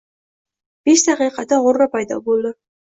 Besh daqiqada g‘urra paydo bo‘ldi.